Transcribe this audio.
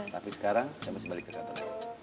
tapi sekarang saya masih balik ke kantor